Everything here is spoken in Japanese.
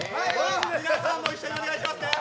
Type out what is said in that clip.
皆さんも一緒にお願いしますね。